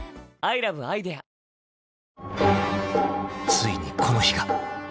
［ついにこの日が］